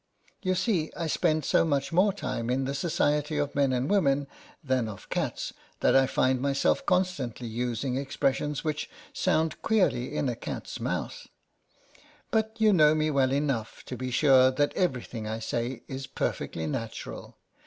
You see I spend so much more time in the society of men and wo LETTERS FROM A CAT. 89 men than of cats, that I find myself constantly using expressions which sound queerly in a cat's mouth. But you know me well enough to be sure that every thing I say is per fectly natural.